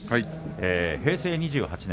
平成２８年